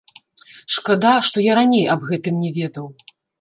Шкада, што я раней аб гэтым не ведаў.